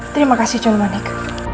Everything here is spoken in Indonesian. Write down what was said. terima kasih juno manik